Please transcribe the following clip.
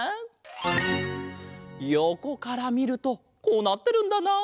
よこからみるとこうなってるんだな。